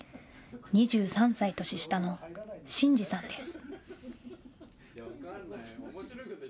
２３歳年下の伸二さんです。